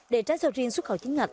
để trái sầu riêng xuất khẩu chính ngạch